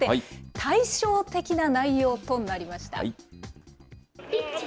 対照的な内容となりました。